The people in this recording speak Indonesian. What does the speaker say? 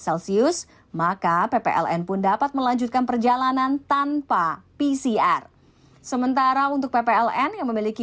celsius maka ppln pun dapat melanjutkan perjalanan tanpa pcr sementara untuk ppln yang memiliki